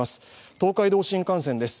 東海道新幹線です。